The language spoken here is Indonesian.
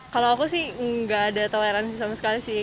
kalau aku sih nggak ada toleransi sama sekali sih